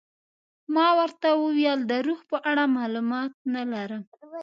ما ورته وویل د روح په اړه معلومات نه لرم.